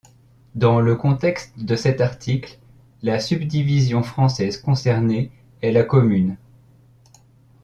Dans le contexte de cet article, la subdivision française concernée est la commune.